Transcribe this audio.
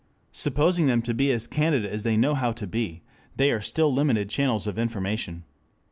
Supposing them to be as candid as they know how to be, they are still limited channels of information.